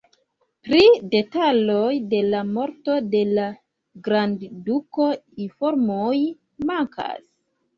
Pri detaloj de la morto de la grandduko informoj mankas.